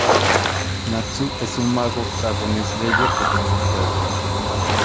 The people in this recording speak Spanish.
Natsu es un mago "Dragón Slayer" de tipo fuego.